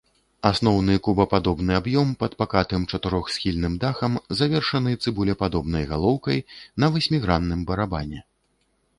Асноўны кубападобны аб'ём пад пакатым чатырохсхільным дахам завершаны цыбулепадобнай галоўкай на васьмігранным барабане.